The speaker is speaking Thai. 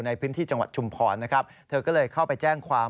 ในพื้นที่จังหวัดชุมพรนะครับเธอก็เลยเข้าไปแจ้งความ